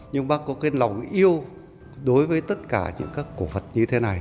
nhưng bác có cái lòng yêu đối với tất cả những các cổ vật như thế này